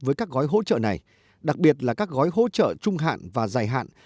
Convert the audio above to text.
với các gói hỗ trợ này đặc biệt là các gói hỗ trợ trung hạn và dài hạn